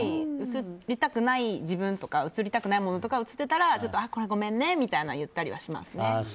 写りたくない自分とか写りたくないものとか写ってたらこれはごめんねみたいに言ったりはしますね。